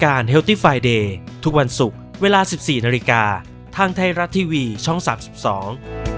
โอ้โหแอดวานแอดวานแอดวาน